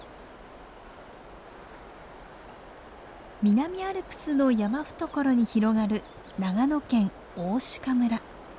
南アルプスの山懐に広がる長野県大鹿村。